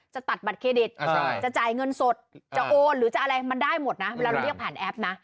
จะตัดบัตรเครดิตจะจ่ายเงินสดจะโอนมันได้หมดเวลาเราเรียกผ่านแอป